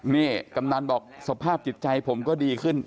นี่กำนันบอกสภาพจิตใจผมก็ดีขึ้น